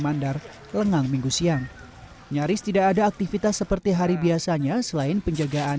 mandar lengang minggu siang nyaris tidak ada aktivitas seperti hari biasanya selain penjagaan